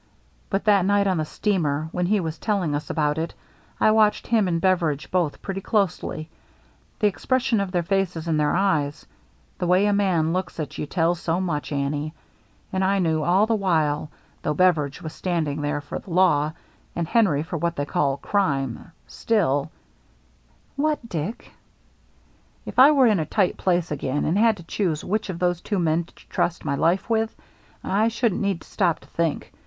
But that night on the steamer, when he was telling us about it, I watched him and Beveridge both pretty closely, — the expression of their faces and their eyes. The way a man looks at you tells so much, Annie. And I knew all the while, though Beveridge was standing there for the law, and Henry for what they call crime, still —" BEVERIDGE SURPRISES HIMSELF 415 "What, Dick?" "— if I were in a tight place again and had to choose which of those two men to trust my life with, I shouldn't need to stop to think.